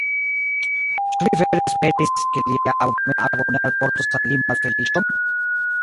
Ĉu li vere esperis, ke lia abomena ago ne alportos al li malfeliĉon?